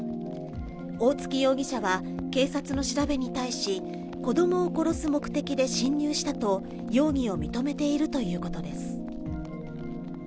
大槻容疑者は、警察の調べに対し、子どもを殺す目的で侵入したと、容疑を認めているということです。